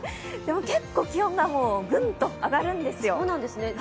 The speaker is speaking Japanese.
結構気温がグッと上がるんですよ。